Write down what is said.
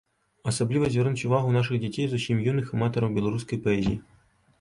Асабліва звярнуць увагу нашых дзяцей, зусім юных аматараў беларускай паэзіі.